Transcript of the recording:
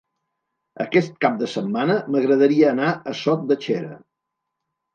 Aquest cap de setmana m'agradaria anar a Sot de Xera.